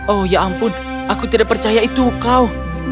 oh ya ampun aku tidak percaya itu kau